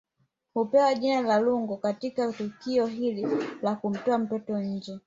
Hupewa jina la Lungo Katika tukio hili la kumtoa mtoto nje